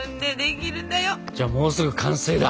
じゃあもうすぐ完成だ。